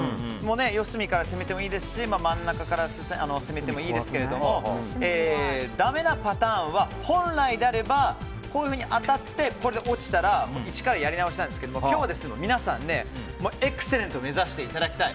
四隅から攻めてもいいですし真ん中から攻めてもいいですけどダメなパターンは本来であればこういうふうに当たってこれで落ちたらイチからやり直しですが今日は皆さん、エクセレントを目指していただきたい。